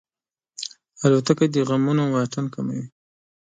الوتکه د غمونو واټن کموي.